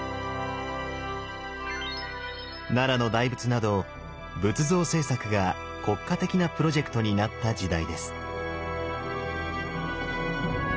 奈良の大仏など仏像制作が国家的なプロジェクトになった時代です。